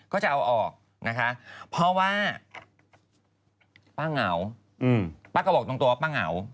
ก็จะเอาออกนะคะเพราะว่าป้าเหงาป้าก็บอกตรงตัวป้าเหงา